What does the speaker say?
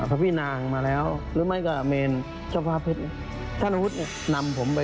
พระพี่นางมาแล้วหรือไม่ก็เมนเจ้าฟ้าเพชรท่านอุธนำผมไป